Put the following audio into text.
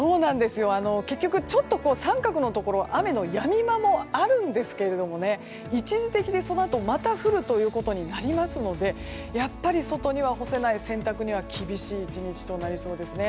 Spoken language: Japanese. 結局△の雨のやみ間もあるんですけれど、一時的でそのあとまた降ることになりますのでやっぱり外には干せない厳しい１日になりそうです。